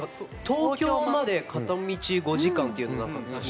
東京まで片道５時間って？